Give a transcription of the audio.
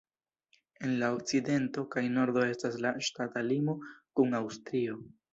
En la okcidento kaj nordo estas la ŝtata limo kun Aŭstrio.